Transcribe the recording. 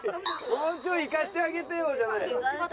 「もうちょいいかせてあげてよ」じゃない。